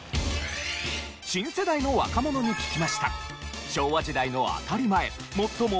新世代の若者に聞きました。